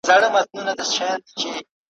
هلمند د افغانستان اوږد سیند دی.